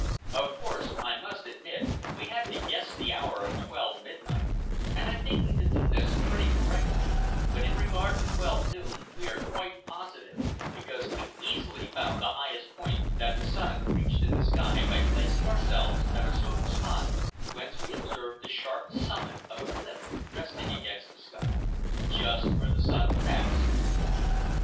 Of course I must admit we had to guess the hour of twelve midnight, and I think we could do this pretty correctly; but in regard to twelve noon we are quite positive, because we easily found the highest point that the sun reached in the sky by placing ourselves at a certain spot whence we observed the sharp summit of a cliff resting against the sky, just where the sun passed.